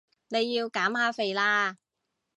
你要減下肥啦